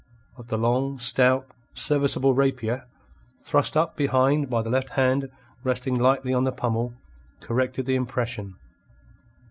But the long, stout, serviceable rapier, thrust up behind by the left hand resting lightly on the pummel, corrected the impression.